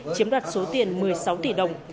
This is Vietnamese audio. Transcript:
chiếm đoạt số tiền một mươi sáu tỷ đồng